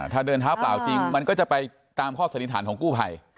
ถ้าเดินเท้าเปล่าจริงมันก็จะไปตามข้อสันนิษฐานของกู้ภัย